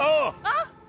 あっ！